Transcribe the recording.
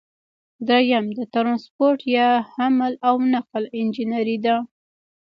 دریم د ټرانسپورټ یا حمل او نقل انجنیری ده.